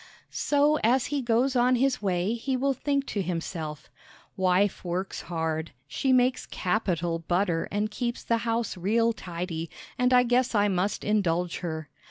So as he goes on his way he will think to himself, "Wife works hard; she makes capital butter and keeps the house real tidy, and I guess I must indulge her."